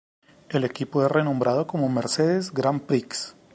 El equipo es renombrado como Mercedes Grand Prix.